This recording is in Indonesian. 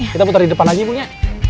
kita putar di depan lagi bung ya